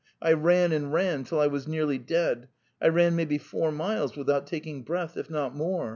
I ran and ran till I was nearly dead. ... I ran maybe four miles without taking breath, if not more.